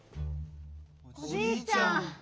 おじいちゃん。